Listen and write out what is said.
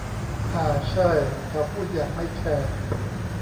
อ่า ใช่ เขาพูดอย่างไม่แคร์